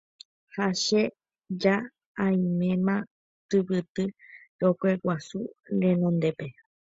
ha che ja aiméma tyvyty rokẽguasu renondépe.